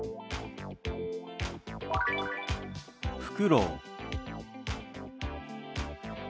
「ふくろう」。